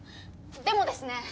でもですね